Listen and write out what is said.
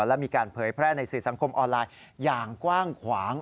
และมีการเผยแพร่ในสื่อสังคมออนไลน์อย่างกว้างขวาง